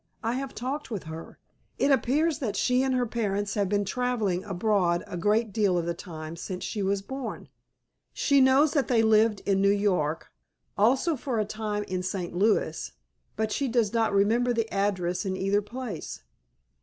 I have talked with her. It appears that she and her parents have been traveling abroad a great deal of the time since she was born. She knows that they lived in New York, also for a time in St. Louis, but she does not remember the address in either place.